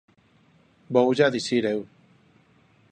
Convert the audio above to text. Voulla dicir eu.